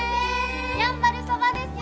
やんばるそばです！